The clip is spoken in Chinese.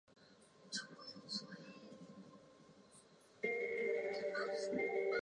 这位神秘的私人老板只通过扬声器与他的女下属们联系。